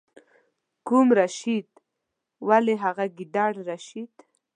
کوم رشید؟ ولې هغه ګیدړ رشید.